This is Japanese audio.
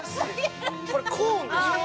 これ、コーンでしょう？